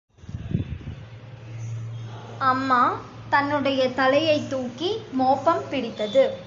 அம்மா தன்னுடைய தலையைத் தூக்கி மோப்பம் பிடித்தது.